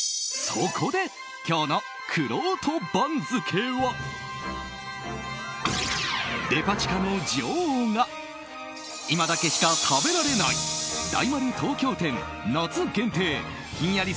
そこで、今日のくろうと番付はデパ地下の女王が今だけしか食べられない大丸東京店、夏限定ひんやり